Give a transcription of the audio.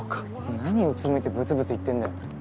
何うつむいてぶつぶつ言ってんだよ。